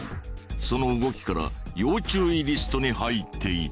その動きから要注意リストに入っていた。